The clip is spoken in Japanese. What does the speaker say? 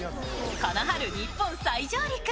この春、日本再上陸。